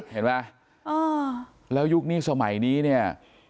เห็นไหมแล้วยุคนี้สมัยนี้เนี่ย